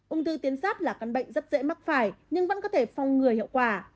ung thư tuyến giáp là căn bệnh rất dễ mắc phải nhưng vẫn có thể phong người hiệu quả